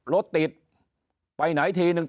รถติดไปไหนทีนึง